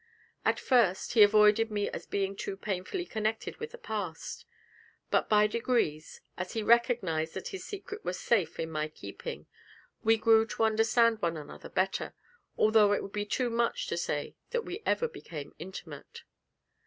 At first, he avoided me as being too painfully connected with the past; but by degrees, as he recognised that his secret was safe in my keeping, we grew to understand one another better, although it would be too much to say that we ever became intimate.